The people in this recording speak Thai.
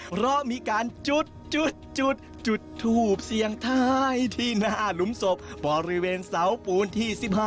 เพราะมีการจุดจุดทูบเสียงท้ายที่หน้าหลุมศพบริเวณเสาปูนที่๑๕